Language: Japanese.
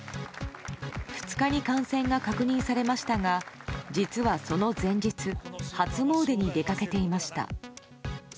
２日に感染が確認されましたが実はその前日初詣に出かけていました。